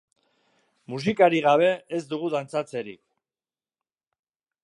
Musikarik gabe ez dugu dantzatzerik.